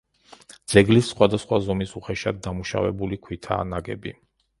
ძეგლის ხვადასხვა ზომის უხეშად დამუშავებული ქვითაა ნაგები.